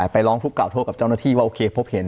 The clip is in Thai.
ไปร้องฟุกราบโทษกับเจ้าหน้าที่ว่าโอเค